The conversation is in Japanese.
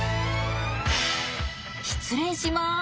失礼します。